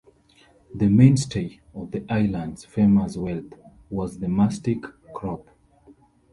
The mainstay of the island's famous wealth was the mastic crop.